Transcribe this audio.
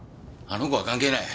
あの子は関係ない。